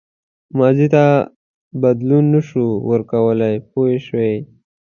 ماضي ته بدلون نه شو ورکولای پوه شوې!.